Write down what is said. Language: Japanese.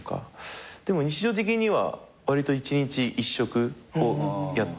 でも日常的にはわりと１日１食をキープしてて。